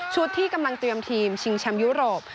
ชุดที่กำลังเตรียมทีมชิงเชียมยุโรป